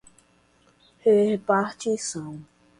repartição